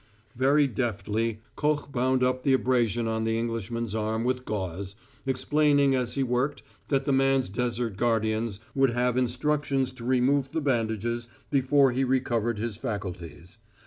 Very deftly Koch bound up the abrasion on the Englishman's arm with gauze, explaining as he worked that the man's desert guardians would have instructions to remove the bandages before he recovered his faculties.